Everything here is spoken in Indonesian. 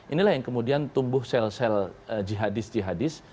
inilah yang kemudian tumbuh sel sel jihadis jihadis